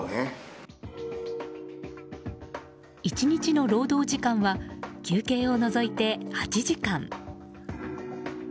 １日の労働時間は休憩を除いて８時間。